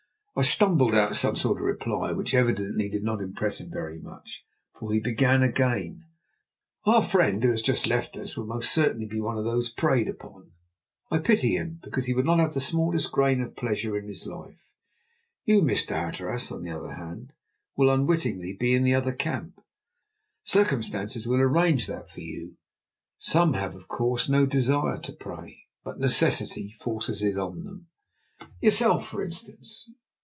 I stumbled out some sort of reply, which evidently did not impress him very much, for he began again: "Our friend who has just left us will most certainly be one of those preyed upon. I pity him because he will not have the smallest grain of pleasure in his life. You, Mr. Hatteras, on the other hand, will, unwittingly, be in the other camp. Circumstances will arrange that for you. Some have, of course, no desire to prey; but necessity forces it on them. Yourself, for instance.